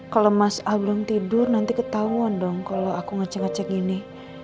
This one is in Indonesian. kalau mas al belum tidur nanti ketahuan dong kalau aku ngecek ngecek gini